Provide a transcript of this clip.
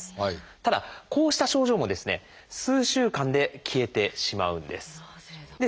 ただこうした症状もですね数週間で消えてしまうんです。